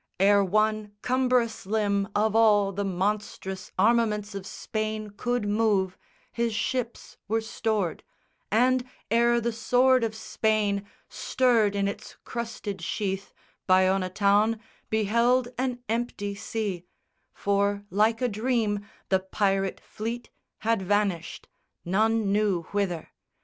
Ere one cumbrous limb of all The monstrous armaments of Spain could move His ships were stored; and ere the sword of Spain Stirred in its crusted sheath, Bayona town Beheld an empty sea; for like a dream The pirate fleet had vanished, none knew whither.